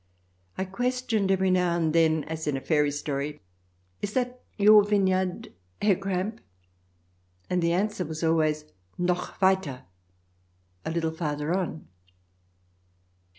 I questioned every now and then, as in a fairy story :" Is that your vineyard, Herr Kramp?" And the answer was always, " Noch weiter — a little farther on!"